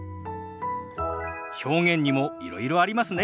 表現にもいろいろありますね。